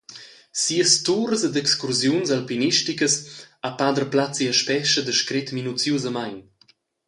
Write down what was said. Sias turas ed excursiuns alpinisticas ha pader Placi a Spescha descret minuziusamein.